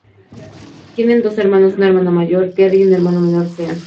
Tiene dos hermanos, una hermana mayor, Kerry, y un hermano menor, Sean.